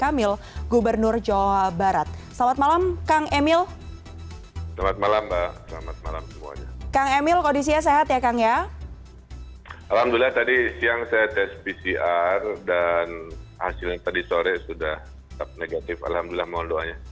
alhamdulillah mohon doanya